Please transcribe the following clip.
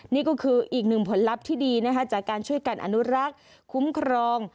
นี่ก็คืออีกหนึ่งผลลัพธ์ที่ดีนะคะจากการช่วยกันอนุรักษ์คุ้มครอง